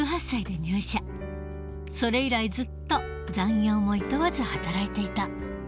それ以来ずっと残業もいとわず働いていた。